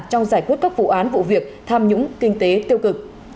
trong giải quyết các vụ án vụ việc tham nhũng kinh tế tiêu cực